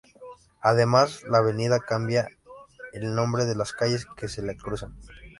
Además, la avenida cambia el nombre de las calles que la cruzan.